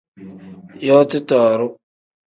Yooti tooru.